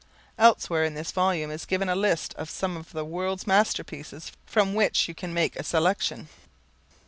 Elsewhere in this volume is given a list of some of the world's masterpieces from which you can make a selection.